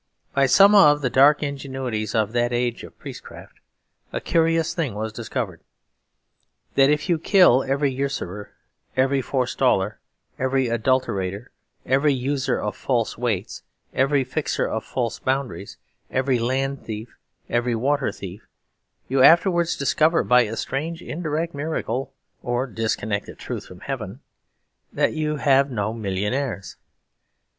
By some of the dark ingenuities of that age of priestcraft a curious thing was discovered that if you kill every usurer, every forestaller, every adulterater, every user of false weights, every fixer of false boundaries, every land thief, every water thief, you afterwards discover by a strange indirect miracle, or disconnected truth from heaven, that you have no millionaires.